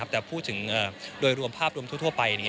แต่พูดถึงโดยรวมภาพรวมทั่วไป